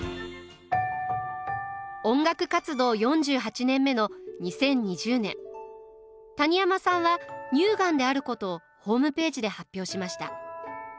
音楽活動４８年目の２０２０年谷山さんは乳がんであることをホームページで発表しました。